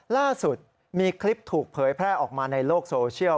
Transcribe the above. ล่าสุดมีคลิปถูกเผยแพร่ออกมาในโลกโซเชียล